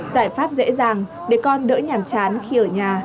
giải pháp dễ dàng để con đỡ nhàm chán khi ở nhà